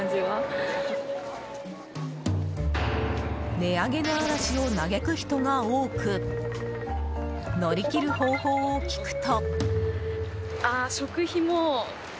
値上げの嵐を嘆く人が多く乗り切る方法を聞くと。